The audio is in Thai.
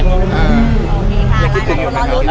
โอเคค่ะรายละเอียดต้องรอรุ้น